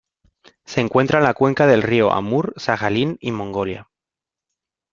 Se encuentra en la cuenca del río Amur, Sajalín y Mongolia.